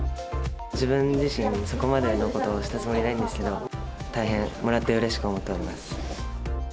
自分自身、そこまでのことをしたつもりはないんですけど、大変もらってうれしく思っております。